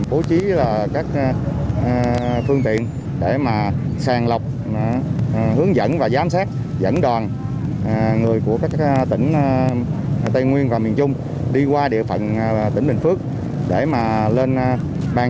bố trí các phương tiện để mà sàng lọc hướng dẫn và giám sát dẫn đoàn người của các tỉnh tây nguyên và miền trung để đắk nông tiếp tục thực hiện công tác sát đoàn